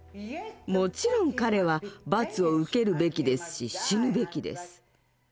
もちろん彼は罰を受けるべきですし死ぬべきです。